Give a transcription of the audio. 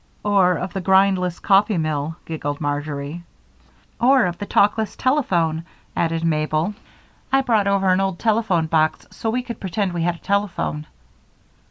"Or of the grindless coffee mill," giggled Marjory. "Or of the talkless telephone," added Mabel. "I brought over an old telephone box so we could pretend we had a telephone."